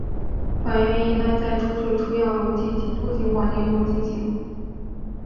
反应一般在除水除氧溶剂及惰性环境中进行。